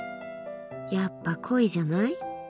やっぱ恋じゃない？